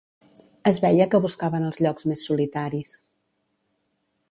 Es veia que buscaven els llocs més solitaris